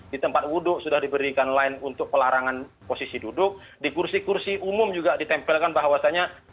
di tempat wudhu sudah diberikan line untuk pelarangan posisi duduk di kursi kursi umum juga ditempelkan bahwasannya